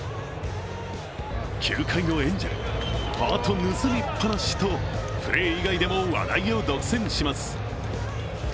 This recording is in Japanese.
球界のエンジェル、ハート盗みっぱなしとプレー以外でも話題を独占します。